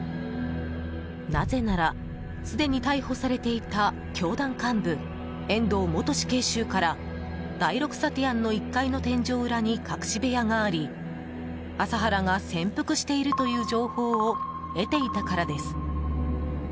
なぜなら、すでに逮捕されていた教団幹部・遠藤元死刑囚から第６サティアンの１階の天井裏に隠し部屋があり麻原が潜伏しているという情報を得ていたからです。